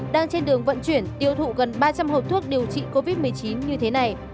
đang trên đường vận chuyển tiêu thụ gần ba trăm linh hộp thuốc điều trị covid một mươi chín như thế này